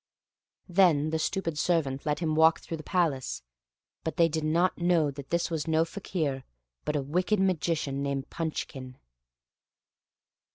Then the stupid servants let him walk through the palace, but they did not know that this was no Fakir, but a wicked Magician named Punchkin.